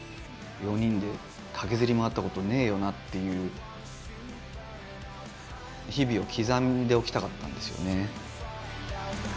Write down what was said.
４人で駆けずり回ったことねえよなっていう日々を刻んでおきたかったんですよね。